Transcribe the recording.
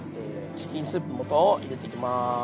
チキンスープの素を入れていきます。